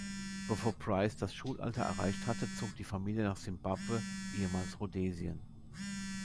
Bevor Price das Schulalter erreicht hatte, zog die Familie nach Simbabwe, ehemals Rhodesien.